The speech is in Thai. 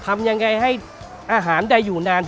คนอีสานก็นิยมกินปลาร้าดิบดิบสุกอย่างเงี้ยคือมันแซ่บมันอร่อย